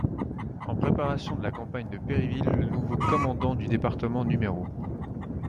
En préparation de la campagne de Perryville, le nouveau commandant du département No.